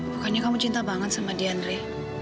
bukannya kamu cinta banget sama dia neri